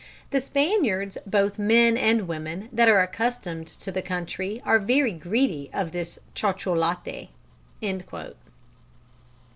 The Spaniards, both men and women, that are accustomed to the country are very greedy of this chocholaté."